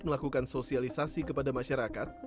melakukan sosialisasi kepada masyarakat